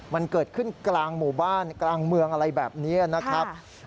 มันเกิดขึ้นกลางหมู่บ้านกลางเมืองอะไรแบบนี้นะครับ